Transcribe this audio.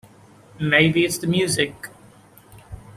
Maybe it's the music.